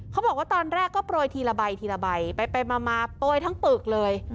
เขาบอกว่าตอนแรกก็โปรยทีละใบทีละใบไปมาโปรยทั้งปึกเลย